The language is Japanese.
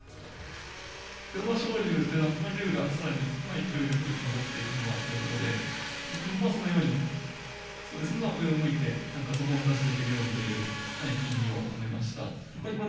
昇龍というのは、龍が空に勢いよく昇っていく様ということで、自分もそのように、上を向いて、なんか、そこを目指していけるようにという、はい、意味を込めました。